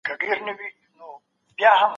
موږ بايد خپل عزت له سپکاوي وساتو.